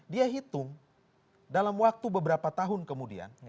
dia hitung dalam waktu beberapa tahun kemudian